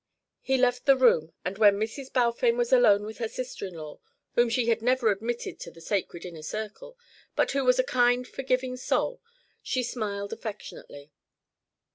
He left the room and when Mrs. Balfame was alone with her sister in law, whom she had never admitted to the sacred inner circle, but who was a kind forgiving soul, she smiled affectionately.